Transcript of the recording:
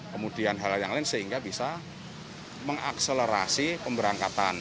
kemudian hal hal yang lain sehingga bisa mengakselerasi pemberangkatan